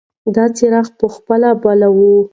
دی څراغ په خپله بلوي.